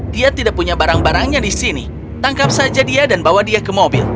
dia tidak punya barang barangnya di sini tangkap saja dia dan bawa dia ke mobil